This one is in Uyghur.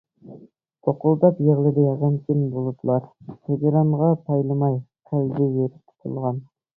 بۇقۇلداپ يىغلىدى غەمكىن بۇلۇتلار، ھىجرانغا پايلىماي قەلبى يىرتىلغان.